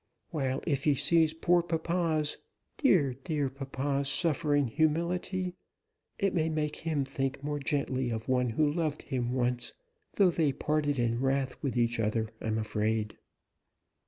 While, if he sees poor papa's, dear, dear papa's suffering humility, it may make him think more gently of one who loved him once though they parted in wrath with each other, I'm afraid."